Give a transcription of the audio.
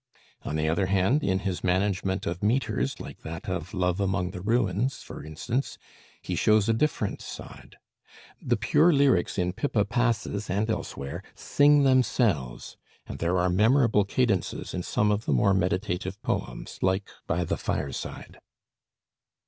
On the other hand, in his management of metres like that of 'Love Among the Ruins,' for instance, he shows a different side; the pure lyrics in 'Pippa Passes' and elsewhere sing themselves; and there are memorable cadences in some of the more meditative poems, like 'By the Fireside.'